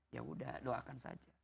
ya udah doakan saja